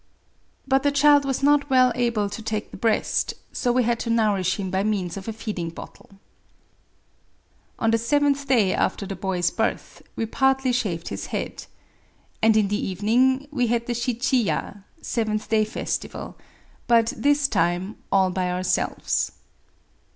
— But the child was not well able to take the breast : so we had to nourish him by means of a feeding bottle. On the seventh day after the boy's birth, we partly shaved his head. And in the evening we had the shichiya [se venth^day festival] — but, this time, all by ourselves.